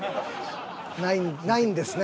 ないないんですね。